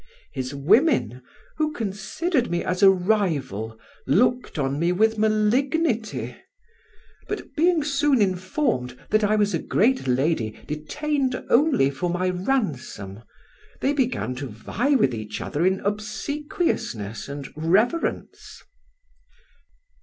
"His women, who considered me as a rival, looked on me with malignity; but being soon informed that I was a great lady detained only for my ransom, they began to vie with each other in obsequiousness and reverence.